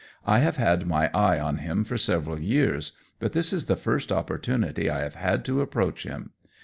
I have had my eye on him for several years, but this is the first opportunity I have had to approach him.